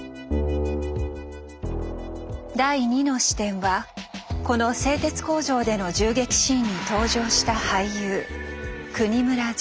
第２の視点はこの製鉄工場での銃撃シーンに登場した俳優國村隼。